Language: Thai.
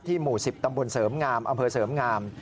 หมู่๑๐ตำบลเสริมงามอำเภอเสริมงาม